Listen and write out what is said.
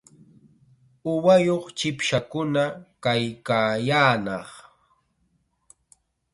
Uwayuq chipshakuna kaykaayaanaq.